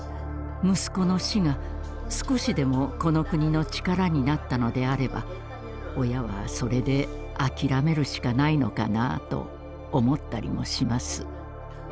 息子の死が少しでもこの国の力になったのであれば親はそれで諦めるしかないのかなと思ったりもします。